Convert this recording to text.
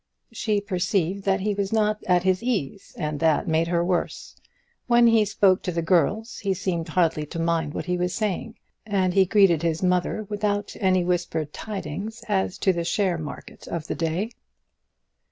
She perceived that he was not at his ease, and that made her worse. When he spoke to the girls he seemed hardly to mind what he was saying, and he greeted his mother without any whispered tidings as to the share market of the day.